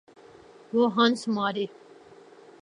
وہ ہنس مارے۔